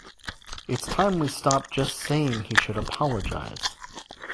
It's time we stopped just saying he should apologize.